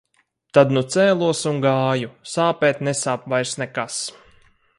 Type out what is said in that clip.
Tad nu cēlos un gāju. Sāpēt nesāp vairs nekas.